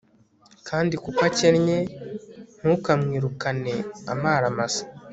kandi kuko akennye, ntukamwirukane amara masa